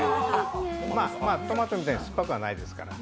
トマトみたいに酸っぱくはないですから。